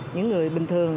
những người bình thường